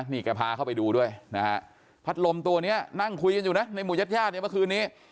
นี่แกพาเข้าไปดูด้วยนะฮะพัดลมตัวนี้นั่งคุยกันอยู่นะในหมู่ญาติญาติเนี่ยเมื่อคืนนี้